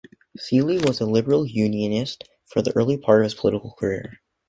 Seely was a Liberal Unionist for the early part of his political career.